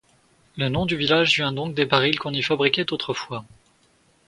Le nom du village vient donc des barils qu’on y fabriquait autrefois.